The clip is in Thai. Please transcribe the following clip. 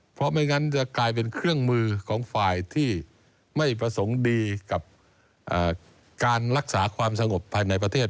เพราะไม่งั้นจะกลายเป็นเครื่องมือของฝ่ายที่ไม่ประสงค์ดีกับการรักษาความสงบภายในประเทศ